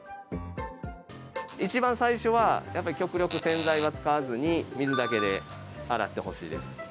いちばん最初はやっぱり極力、洗剤は使わずに水だけで洗ってほしいです。